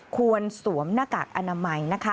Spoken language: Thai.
ควรสวมนากากอนามัย